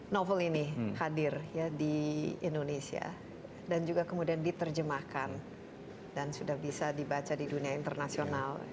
novel ini hadir ya di indonesia dan juga kemudian diterjemahkan dan sudah bisa dibaca di dunia internasional